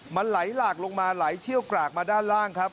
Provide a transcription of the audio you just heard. มันไหลหลากลงมาไหลเชี่ยวกรากมาด้านล่างครับ